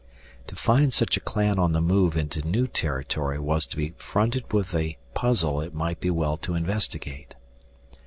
To find such a clan on the move into new territory was to be fronted with a puzzle it might be well to investigate.